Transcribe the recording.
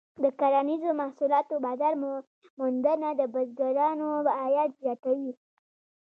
د کرنیزو محصولاتو بازار موندنه د بزګرانو عاید زیاتوي.